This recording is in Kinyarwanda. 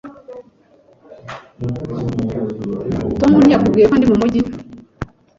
Tom ntiyakubwiye ko ndi mumujyi